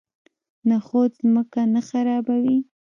نخود ځمکه نه خرابوي.